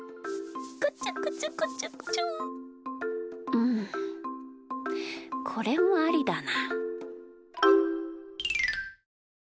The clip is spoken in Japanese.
うんこれもありだな。